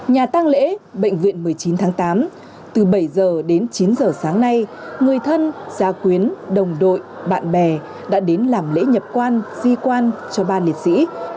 nhà tăng lễ bệnh viện một mươi chín tháng tám từ bảy giờ đến chín giờ sáng nay người thân gia quyến đồng đội bạn bè đã đến làm lễ nhập quan di quan cho ba liệt sĩ